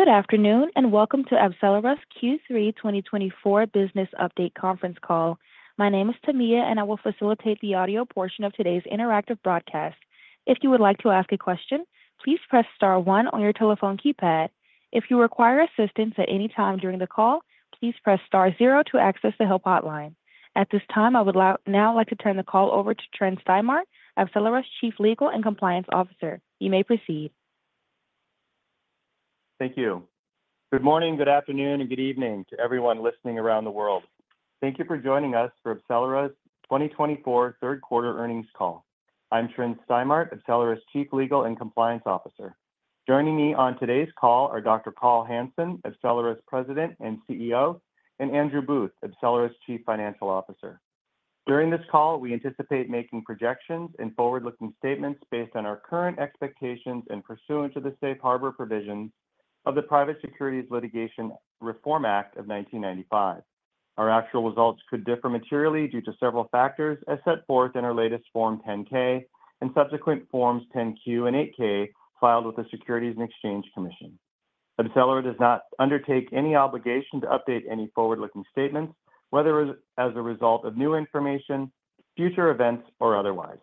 Good afternoon and welcome to AbCellera's Q3 2024 business update conference call. My name is Tamia, and I will facilitate the audio portion of today's interactive broadcast. If you would like to ask a question, please press star one on your telephone keypad. If you require assistance at any time during the call, please press star zero to access the help hotline. At this time, I would now like to turn the call over to Tryn Stimart, AbCellera's Chief Legal and Compliance Officer. You may proceed. Thank you. Good morning, good afternoon, and good evening to everyone listening around the world. Thank you for joining us for AbCellera's 2024 third quarter earnings call. I'm Tryn Stimart, AbCellera's Chief Legal and Compliance Officer. Joining me on today's call are Dr. Carl Hansen, AbCellera's President and CEO, and Andrew Booth, AbCellera's Chief Financial Officer. During this call, we anticipate making projections and forward-looking statements based on our current expectations and pursuant to the safe harbor provisions of the Private Securities Litigation Reform Act of 1995. Our actual results could differ materially due to several factors, as set forth in our latest Form 10-K and subsequent Forms 10-Q and 8-K filed with the Securities and Exchange Commission. AbCellera does not undertake any obligation to update any forward-looking statements, whether as a result of new information, future events, or otherwise.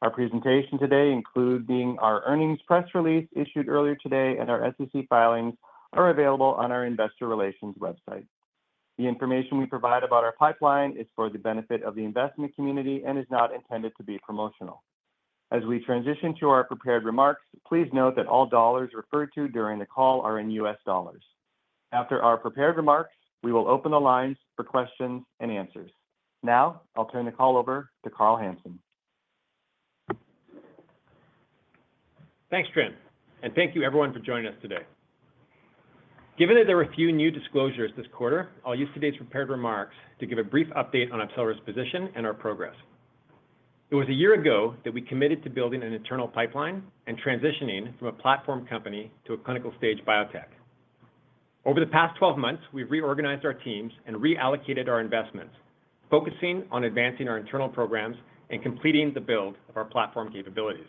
Our presentation today includes our earnings press release issued earlier today, and our SEC filings are available on our investor relations website. The information we provide about our pipeline is for the benefit of the investment community and is not intended to be promotional. As we transition to our prepared remarks, please note that all dollars referred to during the call are in US dollars. After our prepared remarks, we will open the lines for questions and answers. Now, I'll turn the call over to Carl Hansen. Thanks, Tryn, and thank you, everyone, for joining us today. Given that there are a few new disclosures this quarter, I'll use today's prepared remarks to give a brief update on AbCellera's position and our progress. It was a year ago that we committed to building an internal pipeline and transitioning from a platform company to a clinical stage biotech. Over the past 12 months, we've reorganized our teams and reallocated our investments, focusing on advancing our internal programs and completing the build of our platform capabilities.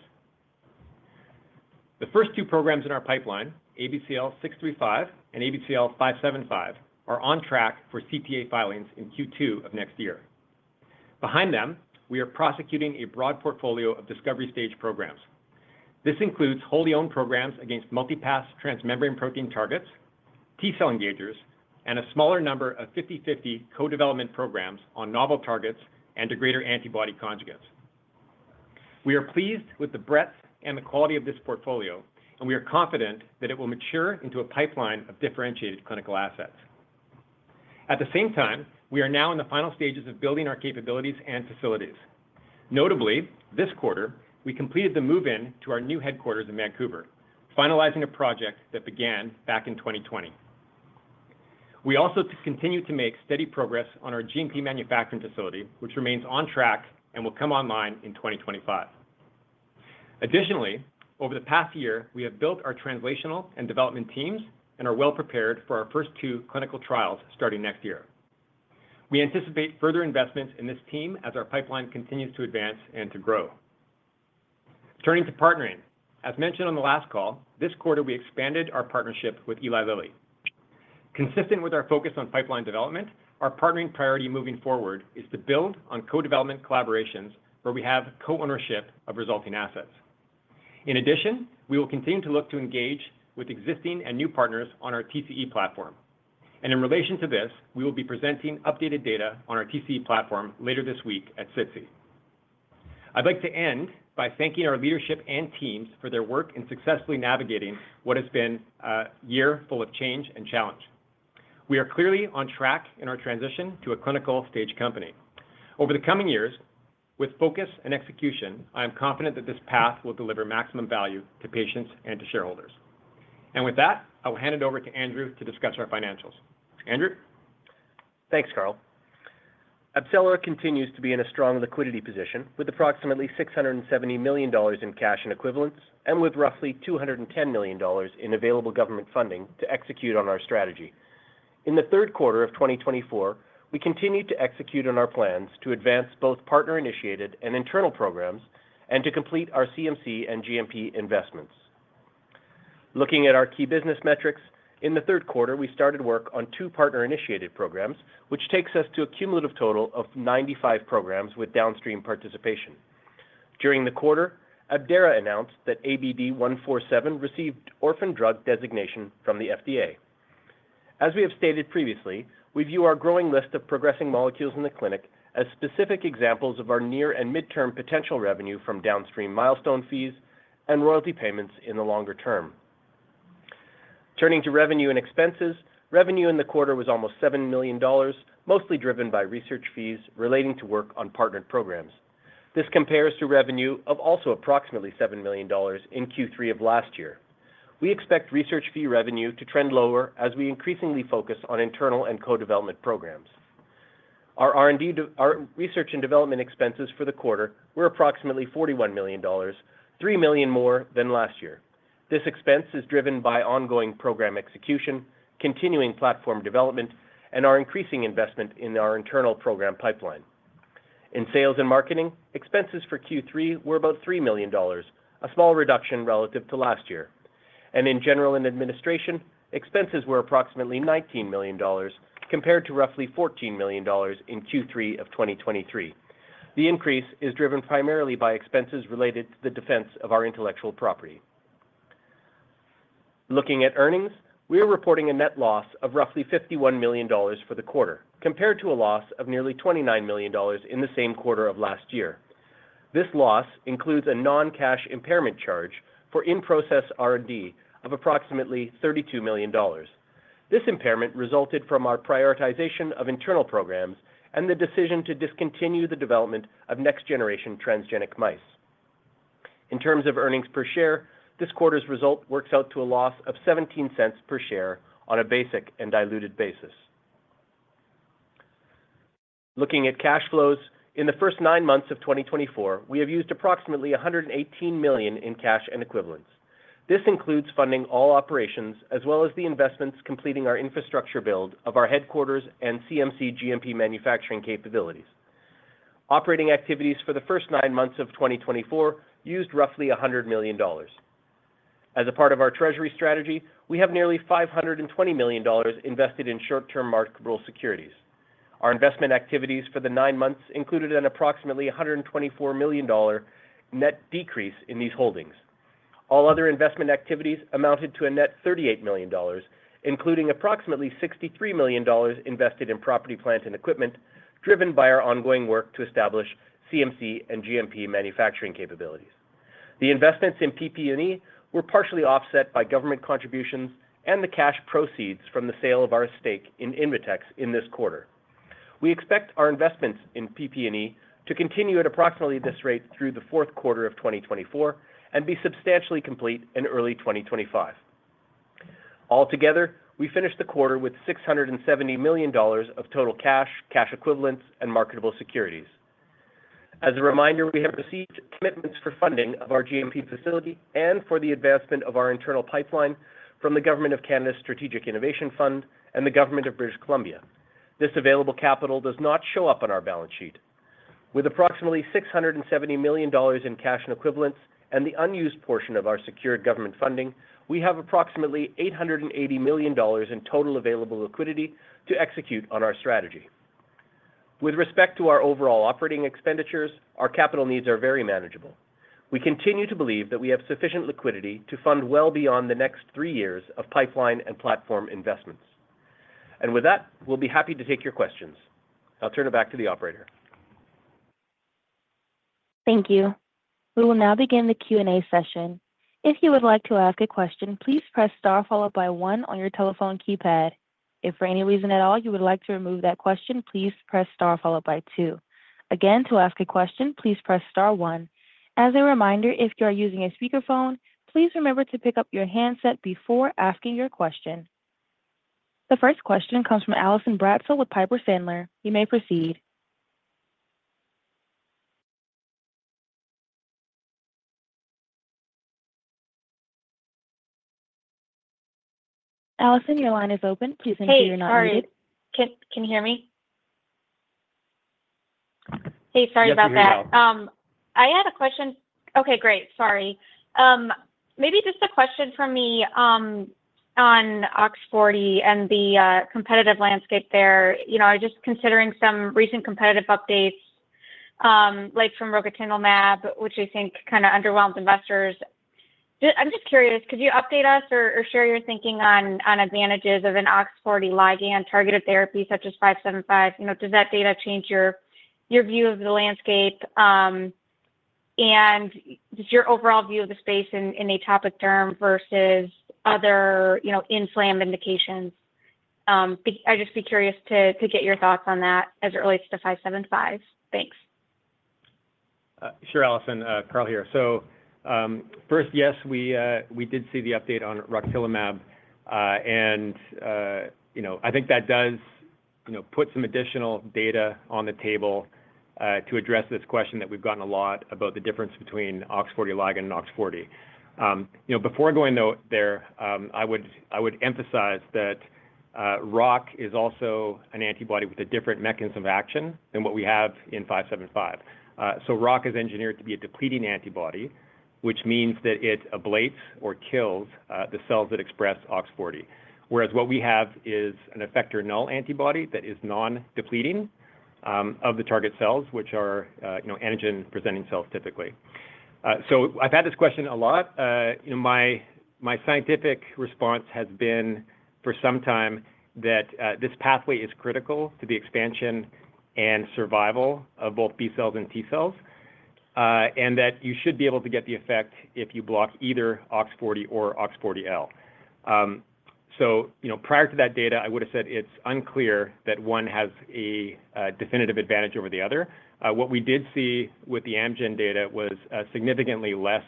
The first two programs in our pipeline, ABCL 635 and ABCL 575, are on track for CTA filings in Q2 of next year. Behind them, we are prosecuting a broad portfolio of discovery stage programs. This includes wholly owned programs against multipath transmembrane protein targets, T cell engagers, and a smaller number of 50/50 co-development programs on novel targets and degrader antibody conjugates. We are pleased with the breadth and the quality of this portfolio, and we are confident that it will mature into a pipeline of differentiated clinical assets. At the same time, we are now in the final stages of building our capabilities and facilities. Notably, this quarter, we completed the move-in to our new headquarters in Vancouver, finalizing a project that began back in 2020. We also continue to make steady progress on our GMP manufacturing facility, which remains on track and will come online in 2025. Additionally, over the past year, we have built our translational and development teams and are well prepared for our first two clinical trials starting next year. We anticipate further investments in this team as our pipeline continues to advance and to grow. Turning to partnering, as mentioned on the last call, this quarter we expanded our partnership with Eli Lilly. Consistent with our focus on pipeline development, our partnering priority moving forward is to build on co-development collaborations where we have co-ownership of resulting assets. In addition, we will continue to look to engage with existing and new partners on our TCE platform. And in relation to this, we will be presenting updated data on our TCE platform later this week at SITC. I'd like to end by thanking our leadership and teams for their work in successfully navigating what has been a year full of change and challenge. We are clearly on track in our transition to a clinical stage company. Over the coming years, with focus and execution, I am confident that this path will deliver maximum value to patients and to shareholders. And with that, I will hand it over to Andrew to discuss our financials. Andrew? Thanks, Carl. AbCellera continues to be in a strong liquidity position with approximately $670 million in cash and equivalents, and with roughly $210 million in available government funding to execute on our strategy. In the third quarter of 2024, we continue to execute on our plans to advance both partner-initiated and internal programs and to complete our CMC and GMP investments. Looking at our key business metrics, in the third quarter, we started work on two partner-initiated programs, which takes us to a cumulative total of 95 programs with downstream participation. During the quarter, AbCellera announced that ABD147 received orphan drug designation from the FDA. As we have stated previously, we view our growing list of progressing molecules in the clinic as specific examples of our near and midterm potential revenue from downstream milestone fees and royalty payments in the longer term. Turning to revenue and expenses, revenue in the quarter was almost $7 million, mostly driven by research fees relating to work on partnered programs. This compares to revenue of also approximately $7 million in Q3 of last year. We expect research fee revenue to trend lower as we increasingly focus on internal and co-development programs. Our R&D research and development expenses for the quarter were approximately $41 million, $3 million more than last year. This expense is driven by ongoing program execution, continuing platform development, and our increasing investment in our internal program pipeline. In sales and marketing, expenses for Q3 were about $3 million, a small reduction relative to last year, and in general administration, expenses were approximately $19 million compared to roughly $14 million in Q3 of 2023. The increase is driven primarily by expenses related to the defense of our intellectual property. Looking at earnings, we are reporting a net loss of roughly $51 million for the quarter, compared to a loss of nearly $29 million in the same quarter of last year. This loss includes a non-cash impairment charge for in-process R&D of approximately $32 million. This impairment resulted from our prioritization of internal programs and the decision to discontinue the development of next-generation transgenic mice. In terms of earnings per share, this quarter's result works out to a loss of $0.17 per share on a basic and diluted basis. Looking at cash flows, in the first nine months of 2024, we have used approximately $118 million in cash and equivalents. This includes funding all operations, as well as the investments completing our infrastructure build of our headquarters and CMC GMP manufacturing capabilities. Operating activities for the first nine months of 2024 used roughly $100 million. As a part of our treasury strategy, we have nearly $520 million invested in short-term marketable securities. Our investment activities for the nine months included an approximately $124 million net decrease in these holdings. All other investment activities amounted to a net $38 million, including approximately $63 million invested in property, plant, and equipment, driven by our ongoing work to establish CMC and GMP manufacturing capabilities. The investments in PP&E were partially offset by government contributions and the cash proceeds from the sale of our stake in Invetx in this quarter. We expect our investments in PP&E to continue at approximately this rate through the fourth quarter of 2024 and be substantially complete in early 2025. Altogether, we finished the quarter with $670 million of total cash, cash equivalents, and marketable securities. As a reminder, we have received commitments for funding of our GMP facility and for the advancement of our internal pipeline from the Government of Canada's Strategic Innovation Fund and the Government of British Columbia. This available capital does not show up on our balance sheet. With approximately $670 million in cash and equivalents and the unused portion of our secured government funding, we have approximately $880 million in total available liquidity to execute on our strategy. With respect to our overall operating expenditures, our capital needs are very manageable. We continue to believe that we have sufficient liquidity to fund well beyond the next three years of pipeline and platform investments. And with that, we'll be happy to take your questions. I'll turn it back to the operator. Thank you. We will now begin the Q&A session. If you would like to ask a question, please press star followed by one on your telephone keypad. If for any reason at all you would like to remove that question, please press star followed by two. Again, to ask a question, please press star one. As a reminder, if you are using a speakerphone, please remember to pick up your handset before asking your question. The first question comes from Allison Bratzel with Piper Sandler. You may proceed. Allison, your line is open. Please indicate you're not muted. Hey, sorry. Can you hear me? Hey, sorry about that. Yes, we can. I had a question. Okay, great. Sorry. Maybe just a question for me on OX40 and the competitive landscape there. I was just considering some recent competitive updates, like from Rocatinlimab, which I think kind of underwhelmed investors. I'm just curious, could you update us or share your thinking on advantages of an OX40 ligand targeted therapy such as 575? Does that data change your view of the landscape? And just your overall view of the space in atopic derm versus other inflamed indications? I'd just be curious to get your thoughts on that as it relates to 575. Thanks. Sure, Allison. Carl here. So first, yes, we did see the update on Rocatinlimab. And I think that does put some additional data on the table to address this question that we've gotten a lot about the difference between OX40 ligand and OX40. Before going there, I would emphasize that ROC is also an antibody with a different mechanism of action than what we have in 575. So ROC is engineered to be a depleting antibody, which means that it ablates or kills the cells that express OX40. Whereas what we have is an effector null antibody that is non-depleting of the target cells, which are antigen-presenting cells typically. So I've had this question a lot. My scientific response has been for some time that this pathway is critical to the expansion and survival of both B cells and T cells, and that you should be able to get the effect if you block either OX40 or OX40L, so prior to that data, I would have said it's unclear that one has a definitive advantage over the other. What we did see with the Amgen data was a significantly less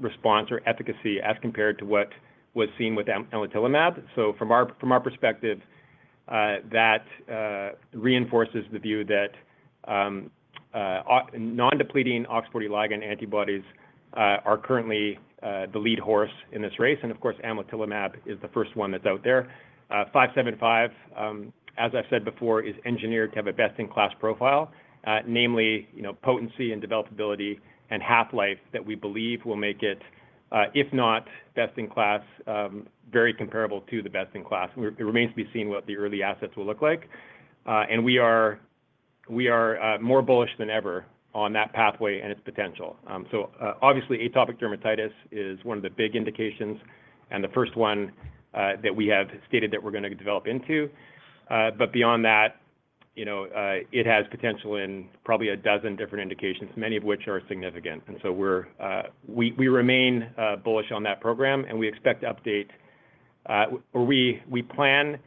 response or efficacy as compared to what was seen with Amlitelimab, so from our perspective, that reinforces the view that non-depleting OX40 ligand antibodies are currently the lead horse in this race, and of course, Amlitelimab is the first one that's out there. 575, as I've said before, is engineered to have a best-in-class profile, namely potency and developability and half-life that we believe will make it, if not best-in-class, very comparable to the best-in-class. It remains to be seen what the early assets will look like, and we are more bullish than ever on that pathway and its potential, so obviously, atopic dermatitis is one of the big indications and the first one that we have stated that we're going to develop into, but beyond that, it has potential in probably a dozen different indications, many of which are significant, and so we remain bullish on that program, and we expect to update or we plan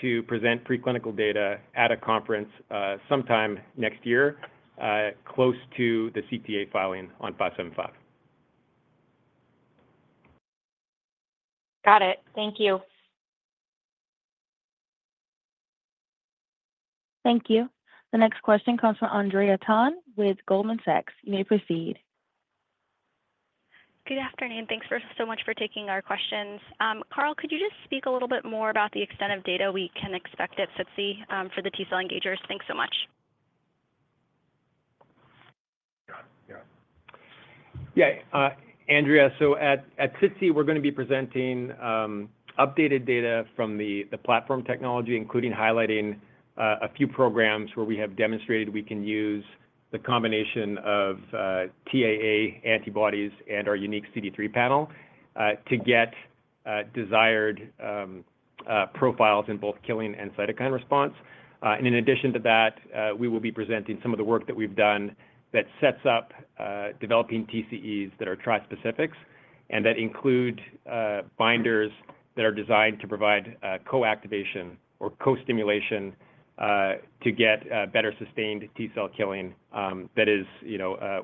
to present preclinical data at a conference sometime next year, close to the CTA filing on 575. Got it. Thank you. Thank you. The next question comes from Andrea Tan with Goldman Sachs. You may proceed. Good afternoon. Thanks so much for taking our questions. Carl, could you just speak a little bit more about the extent of data we can expect at SITC for the T cell engagers? Thanks so much. Yeah. Andrea, so at SITC, we're going to be presenting updated data from the platform technology, including highlighting a few programs where we have demonstrated we can use the combination of TAA antibodies and our unique CD3 panel to get desired profiles in both killing and cytokine response, and in addition to that, we will be presenting some of the work that we've done that sets up developing TCEs that are trispecifics and that include binders that are designed to provide co-activation or co-stimulation to get better sustained T cell killing. That is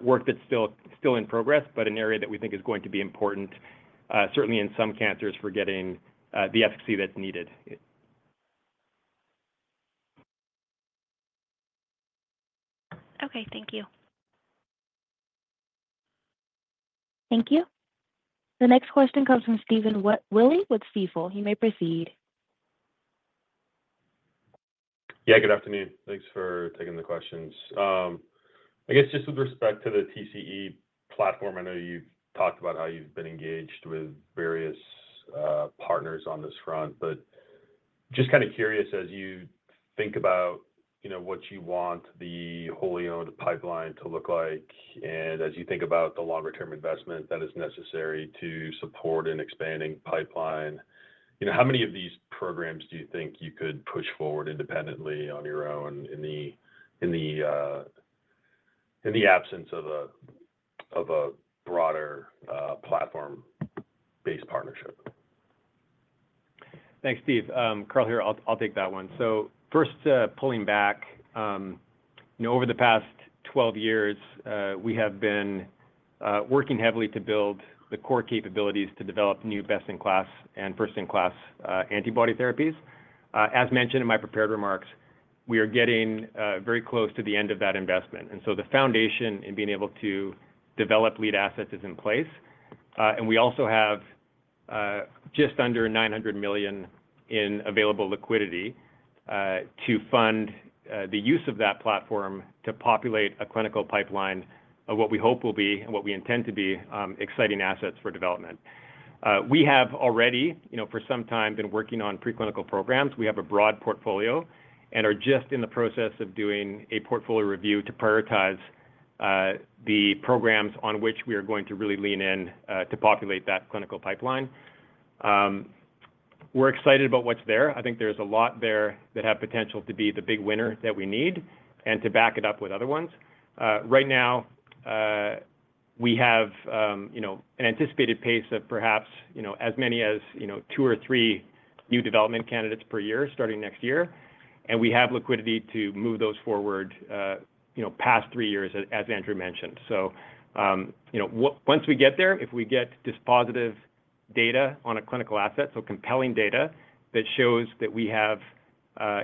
work that's still in progress, but an area that we think is going to be important, certainly in some cancers, for getting the efficacy that's needed. Okay. Thank you. Thank you. The next question comes from Stephen Willey with Stifel. You may proceed. Yeah, good afternoon. Thanks for taking the questions. I guess just with respect to the TCE platform, I know you've talked about how you've been engaged with various partners on this front. But just kind of curious, as you think about what you want the wholly owned pipeline to look like, and as you think about the longer-term investment that is necessary to support an expanding pipeline, how many of these programs do you think you could push forward independently on your own in the absence of a broader platform-based partnership? Thanks, Steve. Carl here. I'll take that one. So first, pulling back, over the past 12 years, we have been working heavily to build the core capabilities to develop new best-in-class and first-in-class antibody therapies. As mentioned in my prepared remarks, we are getting very close to the end of that investment, and so the foundation in being able to develop lead assets is in place, and we also have just under $900 million in available liquidity to fund the use of that platform to populate a clinical pipeline of what we hope will be and what we intend to be exciting assets for development. We have already for some time been working on preclinical programs. We have a broad portfolio and are just in the process of doing a portfolio review to prioritize the programs on which we are going to really lean in to populate that clinical pipeline. We're excited about what's there. I think there's a lot there that have potential to be the big winner that we need and to back it up with other ones. Right now, we have an anticipated pace of perhaps as many as two or three new development candidates per year starting next year, and we have liquidity to move those forward past three years, as Andrew mentioned, so once we get there, if we get this positive data on a clinical asset, so compelling data that shows that we have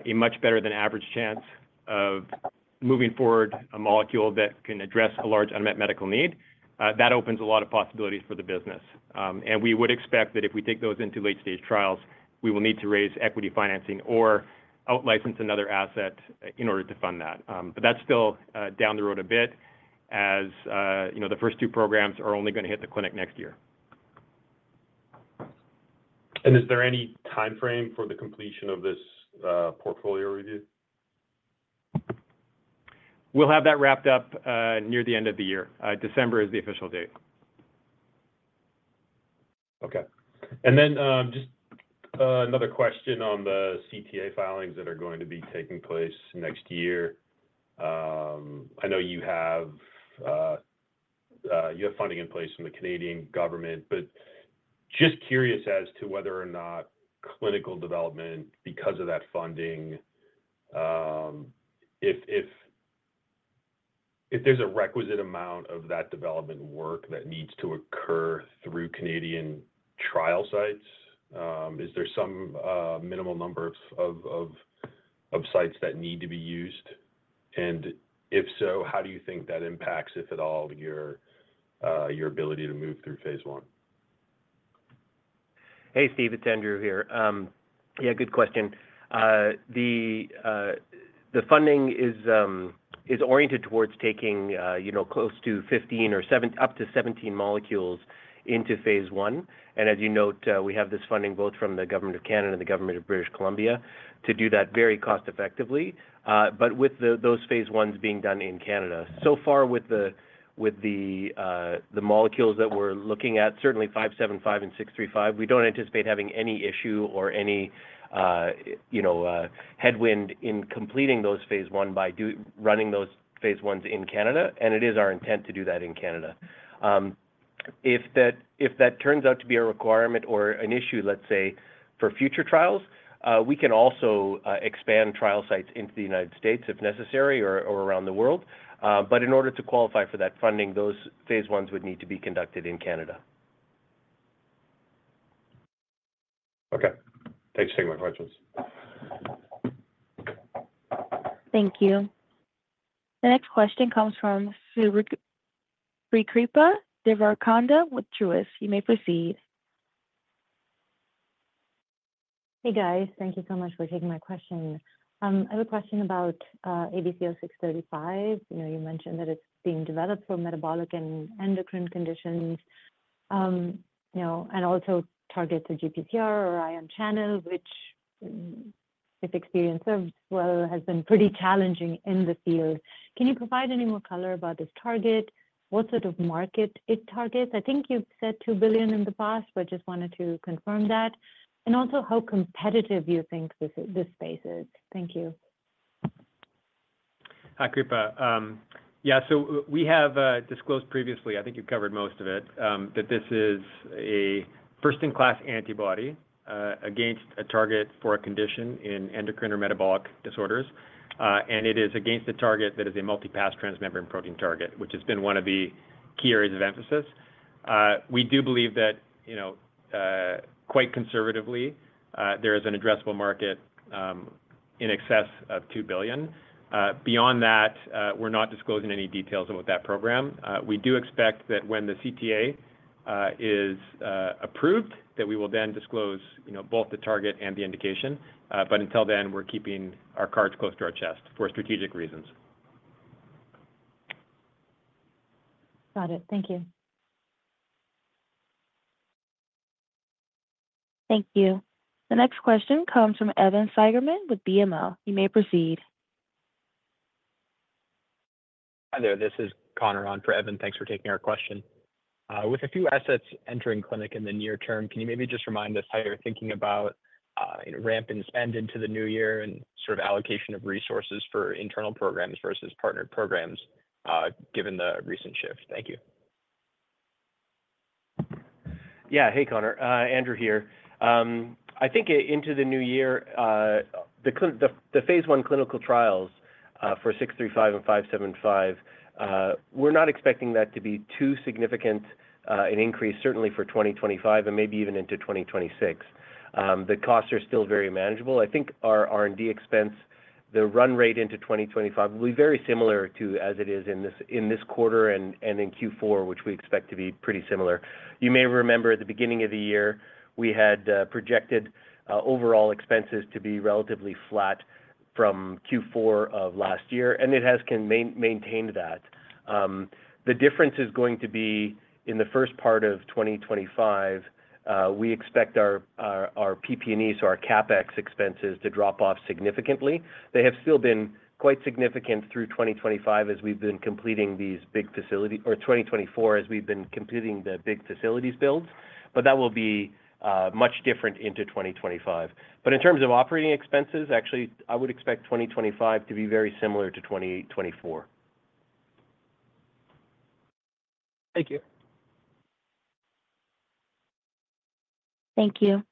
a much better than average chance of moving forward a molecule that can address a large unmet medical need, that opens a lot of possibilities for the business, and we would expect that if we take those into late-stage trials, we will need to raise equity financing or out-license another asset in order to fund that. But that's still down the road a bit as the first two programs are only going to hit the clinic next year. Is there any timeframe for the completion of this portfolio review? We'll have that wrapped up near the end of the year. December is the official date. Okay. And then just another question on the CTA filings that are going to be taking place next year. I know you have funding in place from the Canadian government, but just curious as to whether or not clinical development, because of that funding, if there's a requisite amount of that development work that needs to occur through Canadian trial sites, is there some minimal number of sites that need to be used? And if so, how do you think that impacts, if at all, your ability to move through phase l? Hey, Steve. It's Andrew here. Yeah, good question. The funding is oriented towards taking close to 15 or up to 17 molecules into phase one. And as you note, we have this funding both from the Government of Canada and the Government of British Columbia to do that very cost-effectively, but with those phase ones being done in Canada. So far, with the molecules that we're looking at, certainly 575 and 635, we don't anticipate having any issue or any headwind in completing those phase one by running those phase ones in Canada. And it is our intent to do that in Canada. If that turns out to be a requirement or an issue, let's say, for future trials, we can also expand trial sites into the United States if necessary or around the world. But in order to qualify for that funding, those phase ones would need to be conducted in Canada. Okay. Thanks for taking my questions. Thank you. The next question comes from Kripa Devarakonda with Truist. You may proceed. Hey, guys. Thank you so much for taking my question. I have a question about ABCL 635. You mentioned that it's being developed for metabolic and endocrine conditions and also targets the GPCR or ion channel, which, if experience serves well, has been pretty challenging in the field. Can you provide any more color about this target? What sort of market it targets? I think you've said $2 billion in the past, but just wanted to confirm that. And also how competitive you think this space is. Thank you. Hi Kripa. Yeah, so we have disclosed previously, I think you've covered most of it, that this is a first-in-class antibody against a target for a condition in endocrine or metabolic disorders. And it is against a target that is a multipath transmembrane protein target, which has been one of the key areas of emphasis. We do believe that quite conservatively, there is an addressable market in excess of $2 billion. Beyond that, we're not disclosing any details about that program. We do expect that when the CTA is approved, that we will then disclose both the target and the indication. But until then, we're keeping our cards close to our chest for strategic reasons. Got it. Thank you. Thank you. The next question comes from Evan Sigerman with BML. You may proceed. Hi there. This is Connor on for Evan. Thanks for taking our question. With a few assets entering clinic in the near term, can you maybe just remind us how you're thinking about ramp and spend into the new year and sort of allocation of resources for internal programs versus partnered programs, given the recent shift? Thank you. Yeah. Hey, Connor. Andrew here. I think into the new year, the phase one clinical trials for 635 and 575, we're not expecting that to be too significant an increase, certainly for 2025 and maybe even into 2026. The costs are still very manageable. I think our R&D expense, the run rate into 2025 will be very similar to as it is in this quarter and in Q4, which we expect to be pretty similar. You may remember at the beginning of the year, we had projected overall expenses to be relatively flat from Q4 of last year, and it has maintained that. The difference is going to be in the first part of 2025. We expect our PP&E, so our CapEx expenses, to drop off significantly. They have still been quite significant through 2025 as we've been completing these big facilities or 2024 as we've been completing the big facilities builds. But that will be much different into 2025. But in terms of operating expenses, actually, I would expect 2025 to be very similar to 2024. Thank you. Thank you.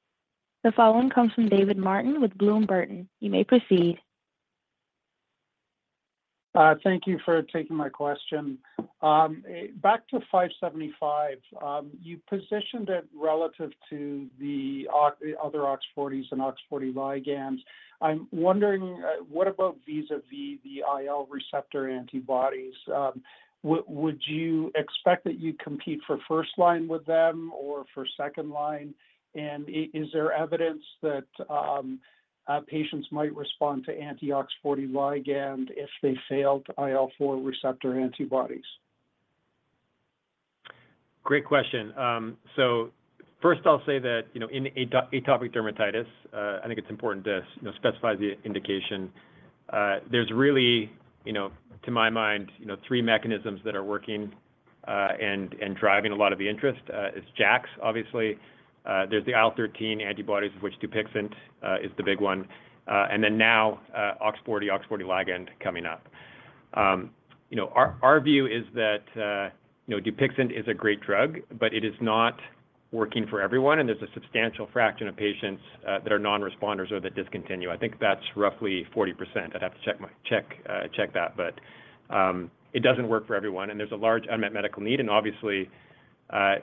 The following comes from David Martin with Bloom Burton. You may proceed. Thank you for taking my question. Back to 575, you positioned it relative to the other OX40s and OX40 ligands. I'm wondering, what about vis-à-vis the IL-4 receptor antibodies? Would you expect that you compete for first line with them or for second line? And is there evidence that patients might respond to anti-OX40 ligand if they failed IL-4 receptor antibodies? Great question. So first, I'll say that in atopic dermatitis, I think it's important to specify the indication. There's really, to my mind, three mechanisms that are working and driving a lot of the interest. It's JAKs, obviously. There's the IL-13 antibodies, of which Dupixent is the big one, and then now OX40, OX40 ligand coming up. Our view is that Dupixent is a great drug, but it is not working for everyone, and there's a substantial fraction of patients that are non-responders or that discontinue. I think that's roughly 40%. I'd have to check that, but it doesn't work for everyone, and there's a large unmet medical need and obviously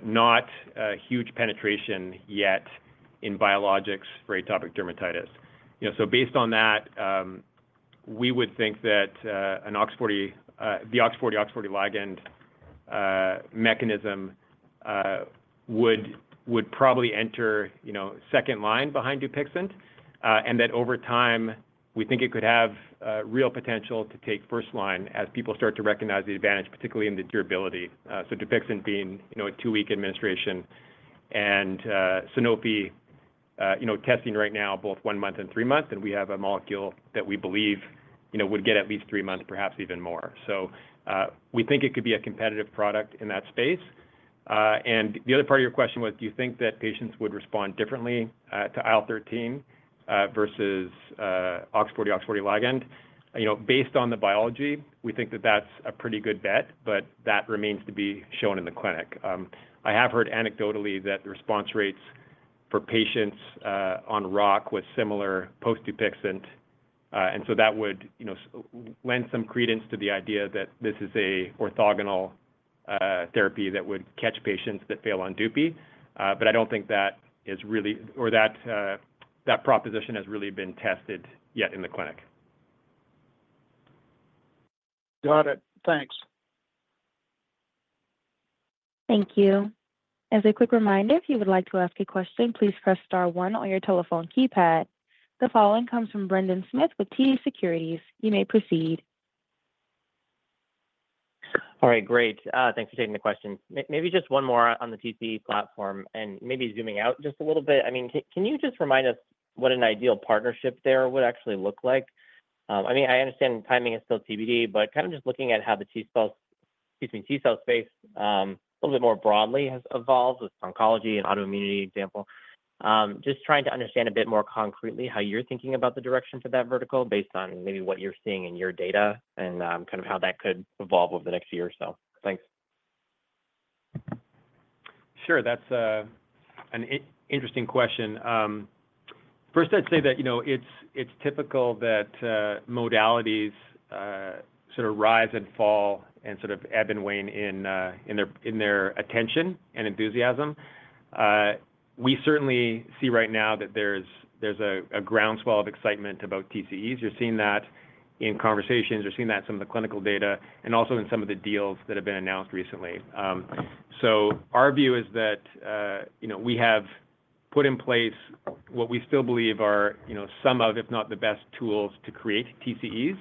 not a huge penetration yet in biologics for atopic dermatitis, so based on that, we would think that the OX40, OX40 ligand mechanism would probably enter second line behind Dupixent. And that over time, we think it could have real potential to take first line as people start to recognize the advantage, particularly in the durability. So Dupixent being a two-week administration and Sanofi testing right now, both one month and three months. And we have a molecule that we believe would get at least three months, perhaps even more. So we think it could be a competitive product in that space. And the other part of your question was, do you think that patients would respond differently to IL-13 versus OX40, OX40 ligand? Based on the biology, we think that that's a pretty good bet, but that remains to be shown in the clinic. I have heard anecdotally that the response rates for patients on ROC were similar post-Dupixent. That would lend some credence to the idea that this is an orthogonal therapy that would catch patients that fail on Dupi. I don't think that is really or that proposition has really been tested yet in the clinic. Got it. Thanks. Thank you. As a quick reminder, if you would like to ask a question, please press star one on your telephone keypad. The following comes from Brendan Smith with TD Securities. You may proceed. All right. Great. Thanks for taking the question. Maybe just one more on the TC platform and maybe zooming out just a little bit. I mean, can you just remind us what an ideal partnership there would actually look like? I mean, I understand timing is still TBD, but kind of just looking at how the T-cell space a little bit more broadly has evolved with oncology and autoimmunity example, just trying to understand a bit more concretely how you're thinking about the direction for that vertical based on maybe what you're seeing in your data and kind of how that could evolve over the next year or so. Thanks. Sure. That's an interesting question. First, I'd say that it's typical that modalities sort of rise and fall and sort of ebb and wane in their attention and enthusiasm. We certainly see right now that there's a groundswell of excitement about TCEs. You're seeing that in conversations. You're seeing that in some of the clinical data and also in some of the deals that have been announced recently. So our view is that we have put in place what we still believe are some of, if not the best tools to create TCEs.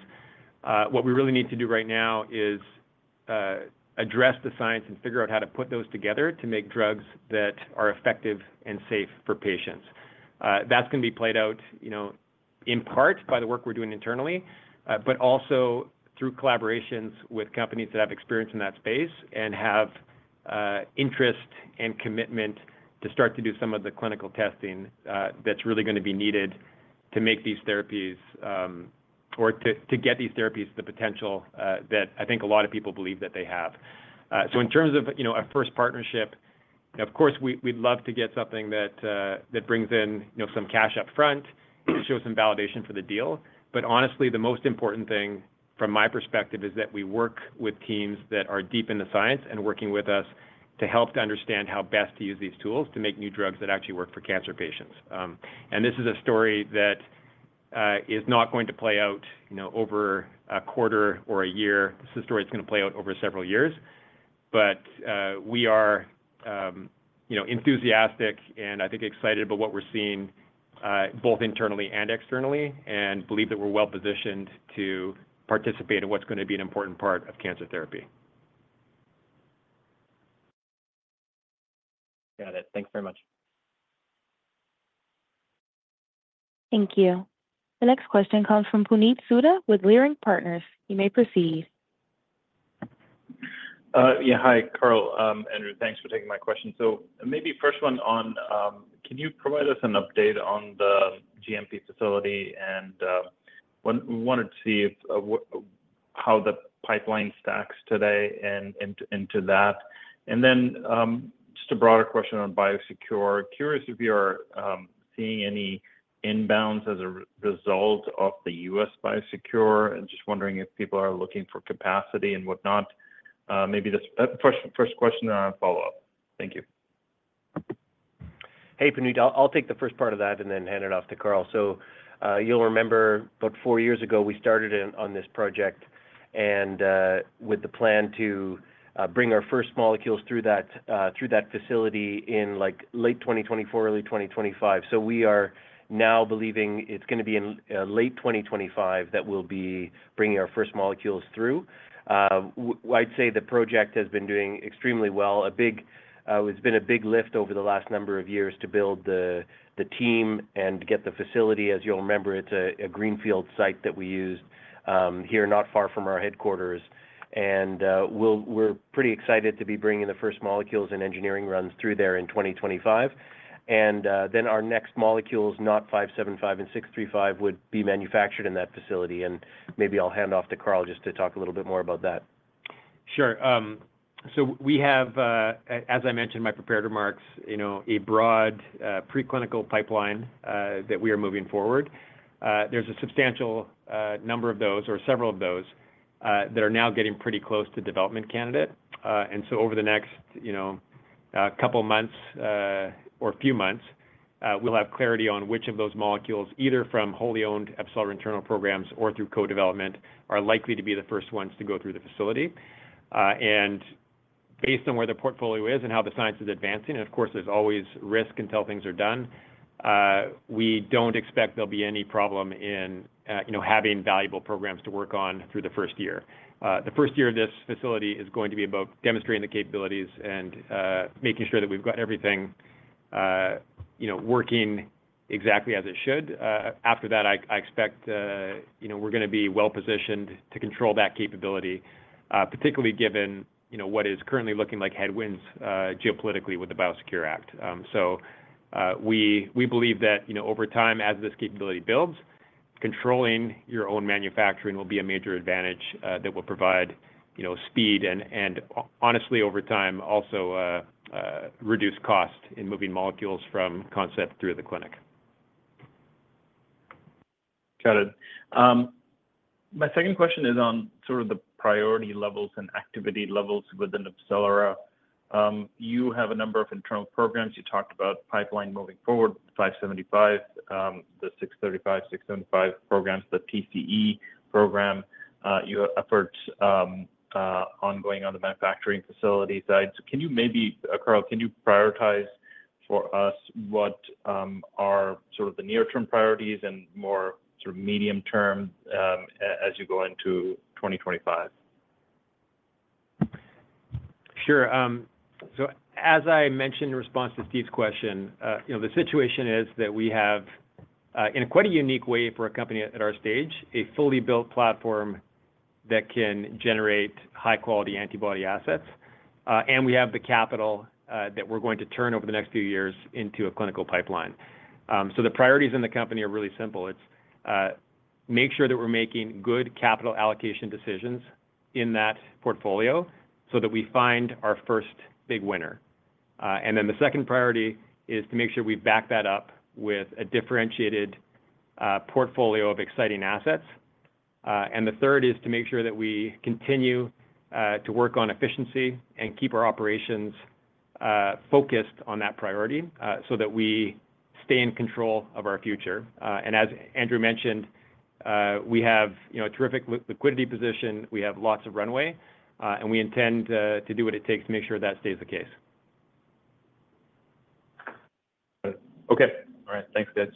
What we really need to do right now is address the science and figure out how to put those together to make drugs that are effective and safe for patients. That's going to be played out in part by the work we're doing internally, but also through collaborations with companies that have experience in that space and have interest and commitment to start to do some of the clinical testing that's really going to be needed to make these therapies or to get these therapies the potential that I think a lot of people believe that they have. So in terms of a first partnership, of course, we'd love to get something that brings in some cash upfront and shows some validation for the deal. But honestly, the most important thing from my perspective is that we work with teams that are deep in the science and working with us to help to understand how best to use these tools to make new drugs that actually work for cancer patients. This is a story that is not going to play out over a quarter or a year. This is a story that's going to play out over several years. But we are enthusiastic and I think excited about what we're seeing both internally and externally and believe that we're well-positioned to participate in what's going to be an important part of cancer therapy. Got it. Thanks very much. Thank you. The next question comes from Puneet Souda with Leerink Partners. You may proceed. Yeah. Hi, Carl. Andrew, thanks for taking my question. So maybe first one on can you provide us an update on the GMP facility, and we wanted to see how the pipeline stacks today into that, and then just a broader question on Biosecure, curious if you're seeing any inbounds as a result of the U.S. Biosecure and just wondering if people are looking for capacity and whatnot. Maybe the first question and then I'll follow up. Thank you. Hey, Puneet. I'll take the first part of that and then hand it off to Carl. So you'll remember about four years ago, we started on this project with the plan to bring our first molecules through that facility in late 2024, early 2025. So we are now believing it's going to be in late 2025 that we'll be bringing our first molecules through. I'd say the project has been doing extremely well. It's been a big lift over the last number of years to build the team and get the facility. As you'll remember, it's a greenfield site that we used here not far from our headquarters. And we're pretty excited to be bringing the first molecules and engineering runs through there in 2025. And then our next molecules, ABCL 575 and ABCL 635, would be manufactured in that facility. Maybe I'll hand off to Carl just to talk a little bit more about that. Sure. We have, as I mentioned in my prepared remarks, a broad preclinical pipeline that we are moving forward. There's a substantial number of those or several of those that are now getting pretty close to development candidate. So over the next couple of months or few months, we'll have clarity on which of those molecules, either from wholly owned AbCellera internal programs or through co-development, are likely to be the first ones to go through the facility. Based on where the portfolio is and how the science is advancing, and of course, there's always risk until things are done, we don't expect there'll be any problem in having valuable programs to work on through the first year. The first year of this facility is going to be about demonstrating the capabilities and making sure that we've got everything working exactly as it should. After that, I expect we're going to be well-positioned to control that capability, particularly given what is currently looking like headwinds geopolitically with the Biosecure Act. So we believe that over time, as this capability builds, controlling your own manufacturing will be a major advantage that will provide speed and, honestly, over time, also reduce cost in moving molecules from concept through the clinic. Got it. My second question is on sort of the priority levels and activity levels within AbCellera. You have a number of internal programs. You talked about pipeline moving forward, 575, the 635, 675 programs, the TCE program, your efforts ongoing on the manufacturing facility side. So can you maybe, Carl, can you prioritize for us what are sort of the near-term priorities and more sort of medium term as you go into 2025? Sure. So as I mentioned in response to Steve's question, the situation is that we have, in a quite unique way for a company at our stage, a fully built platform that can generate high-quality antibody assets. And we have the capital that we're going to turn over the next few years into a clinical pipeline. So the priorities in the company are really simple. It's make sure that we're making good capital allocation decisions in that portfolio so that we find our first big winner. And then the second priority is to make sure we back that up with a differentiated portfolio of exciting assets. And the third is to make sure that we continue to work on efficiency and keep our operations focused on that priority so that we stay in control of our future. And as Andrew mentioned, we have a terrific liquidity position. We have lots of runway, and we intend to do what it takes to make sure that stays the case. Okay. All right. Thanks, guys.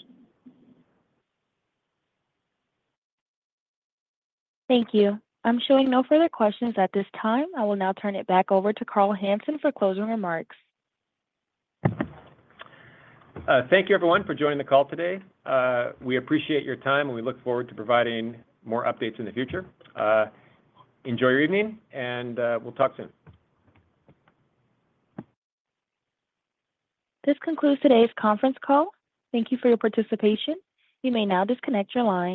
Thank you. I'm showing no further questions at this time. I will now turn it back over to Carl Hansen for closing remarks. Thank you, everyone, for joining the call today. We appreciate your time, and we look forward to providing more updates in the future. Enjoy your evening, and we'll talk soon. This concludes today's conference call. Thank you for your participation. You may now disconnect your line.